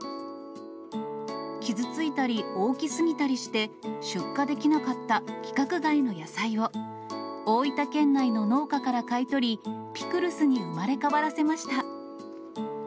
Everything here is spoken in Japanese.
傷ついたり、大きすぎたりして、出荷できなかった規格外の野菜を、大分県内の農家から買い取り、ピクルスに生まれ変わらせました。